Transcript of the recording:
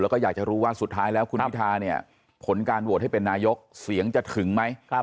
แล้วก็อยากจะรู้ว่าสุดท้ายแล้วคุณพิธาเนี่ยผลการโหวตให้เป็นนายกเสียงจะถึงไหม